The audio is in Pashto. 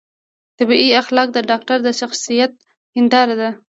طبي اخلاق د ډاکتر د شخصیت هنداره ده